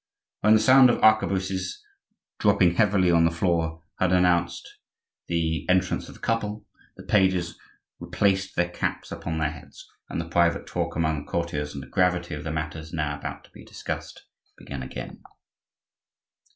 When the sound of arquebuses, dropping heavily on the floor, had announced the entrance of the couple, the pages replaced their caps upon their heads, and the private talk among the courtiers on the gravity of the matters now about to be discussed began again.